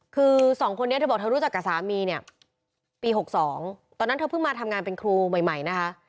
คือสองคนนี้เธอบอกเธอรู้จักกับสามีเนี่ยปี๖๒ตอนนั้นเธอเพิ่งมาทำงานเป็นครูใหม่นะคะ